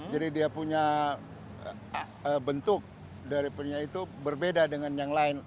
jadi dia punya bentuk daripada itu berbeda dengan yang lain